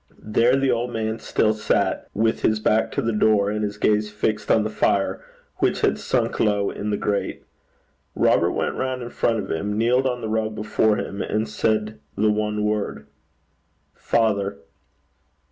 There the old man still sat, with his back to the door, and his gaze fixed on the fire, which had sunk low in the grate. Robert went round in front of him, kneeled on the rug before him, and said the one word, 'Father!'